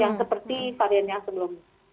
yang seperti varian yang sebelumnya